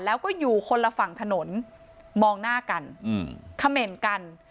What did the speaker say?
แล้วก็อยู่คนละฝั่งถนนมองหน้ากันเขม่นกัน